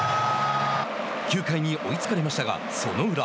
９回に追いつかれましたがその裏。